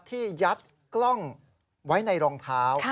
ที่ยัดกล้องไว้ในรองเท้า